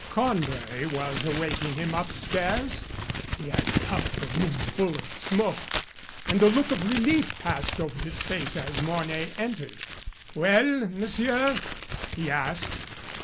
Cornbury was awaiting him upstairs. He had puffed the room full of smoke, and a look of relief passed over his face as Mornay entered. "Well, monsieur?" he asked.